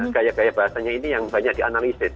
gaya gaya bahasanya ini yang banyak dianalisis